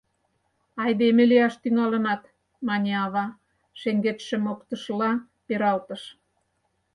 — Айдеме лияш тӱҥалынат! — мане ава, шеҥгечше моктышыла пералтыш.